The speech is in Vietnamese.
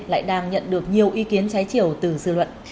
lại đang nhận được nhiều ý kiến trái chiều từ dư luận